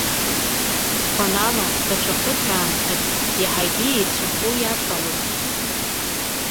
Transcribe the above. Сгәанала, даҽа ԥыҭраамҭак, иаҳагьы еицәахо ицалоит.